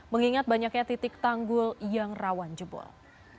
mengingat banyaknya titik tanggul yang rawan jebol